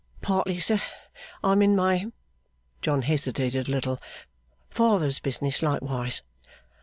'Partly, sir. I am in my' John hesitated a little 'father's business likewise.